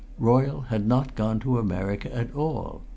Royle had not gone to America at all.